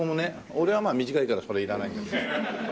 俺はまあ短いからそれいらないんだけど。